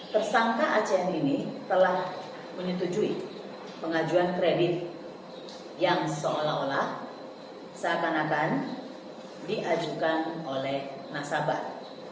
tersangka acn ini telah menyetujui pengajuan kredit yang seolah olah seakan akan diajukan oleh nasabah